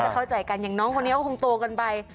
เข้าใจกันอย่างน้องคนนี้ก็คงโตกันไป